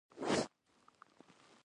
دوکاندار خپل کسب ته برکت غواړي.